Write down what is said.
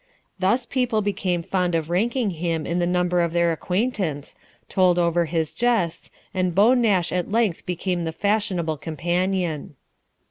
Thus people became fond of ranking him in the number of their acquaint ance, told over his jests, and Beau Nash at length became the fashionable companion.